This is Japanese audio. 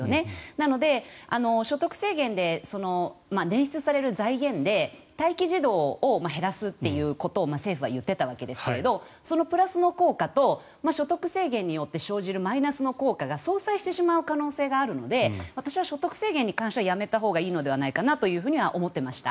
なので、所得制限で捻出される財源で待機児童を減らすということを政府は言っていたわけですけどそのプラスの効果と所得制限によって生じるマイナスの効果が相殺してしまう可能性があるので私は所得制限に関してはやめたほうがいいのではないかと思っていました。